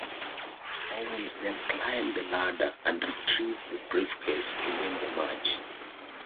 Owens then climbed the ladder and retrieved the briefcase to win the match.